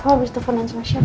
kau abis telfonan sama syekh ah